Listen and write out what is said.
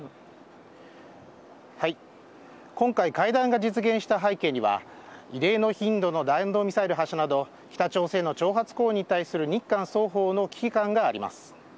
今回、会談が実現した背景には異例の頻度の弾道ミサイル発射など北朝鮮の挑発行為に対する日韓双方の危機感があります。